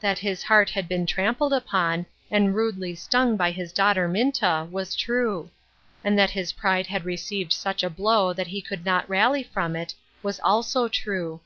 That his heart had been trampled upon, and rudely stung b} his daughter Minta, was true ; and that his pride had received such a blow that he could not rally from it, was also true.